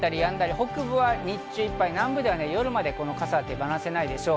北部は日中いっぱい、南部は夜まで傘を手放せないでしょう。